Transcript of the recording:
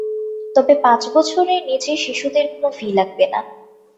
তবে পাঁচ বছরের নিচে শিশুদের কোনো ফি লাগবে না।